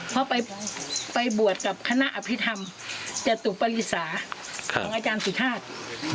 เพราะไปบวชกับคณะอภิษฐรรมจตุปริศาของอาจารย์สุชาติ